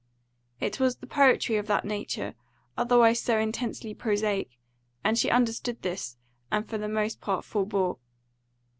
It was the poetry of that nature, otherwise so intensely prosaic; and she understood this, and for the most part forbore.